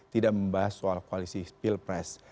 tidak membahas soal koalisi pilpres